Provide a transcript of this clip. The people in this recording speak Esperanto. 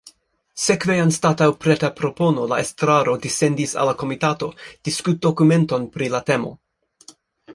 Sekve anstataŭ preta propono la estraro dissendis al la komitato "diskutdokumenton" pri la temo.